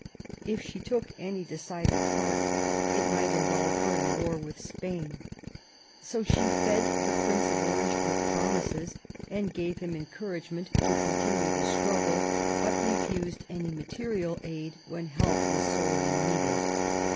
If she took any decided part it might involve her in war with Spain. So she fed the Prince of Orange with promises and gave him encouragement to continue the struggle, but refused any material help when help was sorely needed.